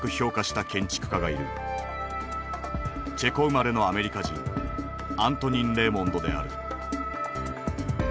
チェコ生まれのアメリカ人アントニン・レーモンドである。